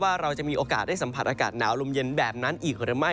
ว่าเราจะมีโอกาสได้สัมผัสอากาศหนาวลมเย็นแบบนั้นอีกหรือไม่